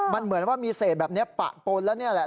มันเหมือนว่ามีเศษแบบนี้ปะปนแล้วนี่แหละ